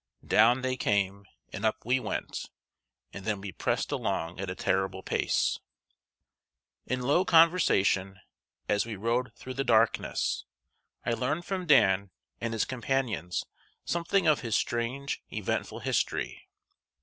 Down they came, and up we went; and then we pressed along at a terrible pace. In low conversation, as we rode through the darkness, I learned from Dan and his companions something of his strange, eventful history.